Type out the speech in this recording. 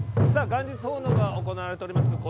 元日奉納が行われております